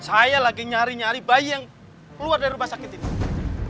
saya lagi nyari nyari bayi yang keluar dari rumah sakit ini